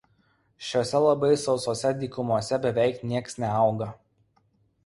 Šiose labai sausose dykumose beveik niekas neauga.